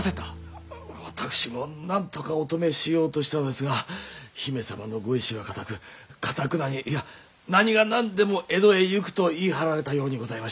私もなんとかお止めしようとしたのですが姫様のご意志は固くかたくなにいや何が何でも江戸へ行くと言い張られたようにございまして。